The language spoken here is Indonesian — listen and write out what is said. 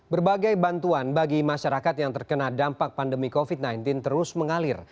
berbagai bantuan bagi masyarakat yang terkena dampak pandemi covid sembilan belas terus mengalir